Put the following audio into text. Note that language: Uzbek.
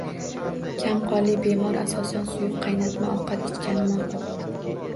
Kamqonli bemor asosan suyuq qaynatma ovqat ichgani ma’qul.